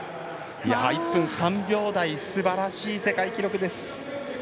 １分３秒台すばらしい世界記録です。